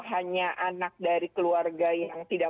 hanya anak dari keluarga yang tidak